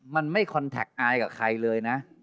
มันไม่คอนแท็กอายกับใครเลยนะ